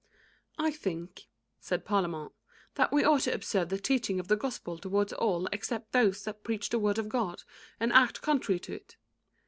"I think," said Parlamente, "that we ought to observe the teaching of the Gospel towards all except those that preach the Word of God and act contrary to it.